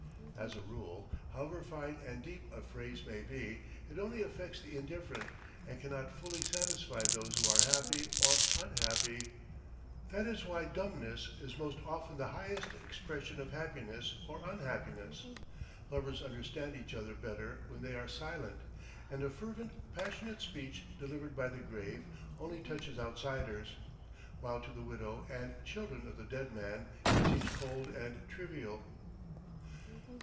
As a rule, however fine and deep a phrase may be, it only affects the indifferent, and cannot fully satisfy those who are happy or unhappy; that is why dumbness is most often the highest expression of happiness or unhappiness; lovers understand each other better when they are silent, and a fervent, passionate speech delivered by the grave only touches outsiders, while to the widow and children of the dead man it seems cold and trivial.